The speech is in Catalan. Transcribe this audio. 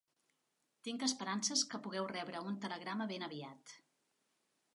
Tinc esperances que pugueu rebre un telegrama ben aviat.